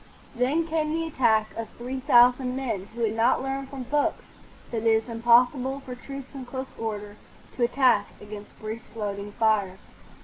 Then came the attack of three thousand men who had not learned from books that it is impossible for troops in close order to attack against breech loading fire.